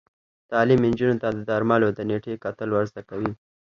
تعلیم نجونو ته د درملو د نیټې کتل ور زده کوي.